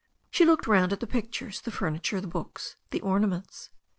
She looked rotmd at the pic tures, the furniture, the books, the ornaments.